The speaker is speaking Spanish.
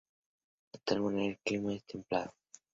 De tal manera, el clima es templado.